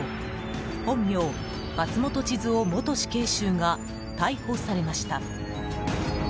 本名、松本智津夫元死刑囚が逮捕されました。